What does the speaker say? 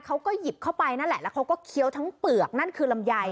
เขาก็หยิบเข้าไปนั่นแหละแล้วเขาก็เคี้ยวทั้งเปลือกนั่นคือลำไย